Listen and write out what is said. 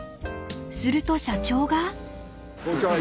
［すると社長が］